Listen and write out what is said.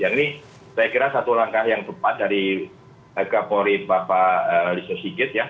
yang ini saya kira satu langkah yang tepat dari kapolri bapak listo sigit ya